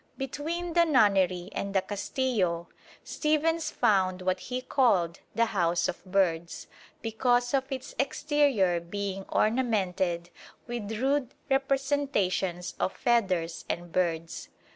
Between the Nunnery and the Castillo Stephens found what he called the House of Birds, because of its exterior being ornamented with rude representations of feathers and birds.